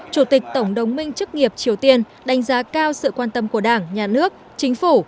chủ tịch tổng đồng minh chức nghiệp triều tiên đánh giá cao sự quan tâm của đảng nhà nước chính phủ